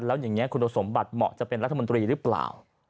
แล้วอย่างนี้คุณสมบัติเหมาะจะเป็นรัฐมนตรีหรือเปล่า